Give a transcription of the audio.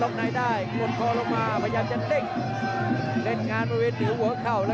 ล็อกไนได้ควบคอลงมาพยายามจะเล่นงานมาเว้นถือหัวเข้า